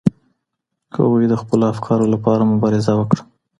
هغوی د خپلو افکارو لپاره مبارزه وکړه.